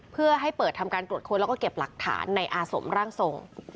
เพื่อให้เปิดทำการตรวจค้นแล้วก็เก็บหลักฐานในอาสมร่างทรง